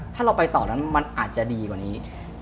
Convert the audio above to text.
ถ้าเราไปต่อนั้นมันอาจจะดีกว่านี้